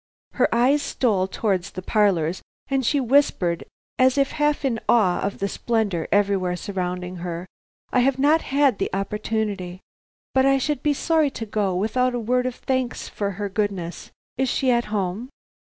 Her eyes stole towards the parlors and she whispered as if half in awe of the splendor everywhere surrounding her: "I have not had the opportunity. But I should be sorry to go without a word of thanks for her goodness. Is she at home?"